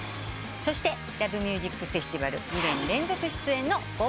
そして「ＬＯＶＥＭＵＳＩＣＦＥＳＴＩＶＡＬ」２年連続出演のｇｏ！